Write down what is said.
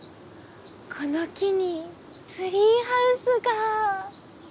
この木にツリーハウスが。